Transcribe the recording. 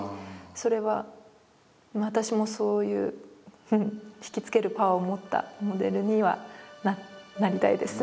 それは私もそういう引きつけるパワーを持ったモデルにはなりたいです。